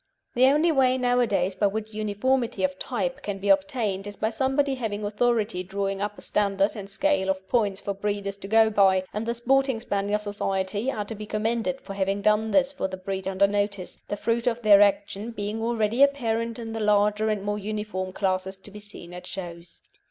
The only way nowadays by which uniformity of type can be obtained is by somebody having authority drawing up a standard and scale of points for breeders to go by, and the Sporting Spaniel Society are to be commended for having done this for the breed under notice, the fruit of their action being already apparent in the larger and more uniform classes to be seen at shows.